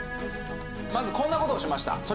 まずこんな事をしました。